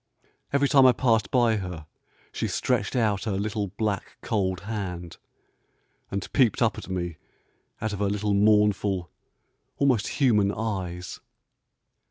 Every time I passed by her she stretched out her little, black, cold hand, and peeped up at me out of her little mournful, almost human eyes.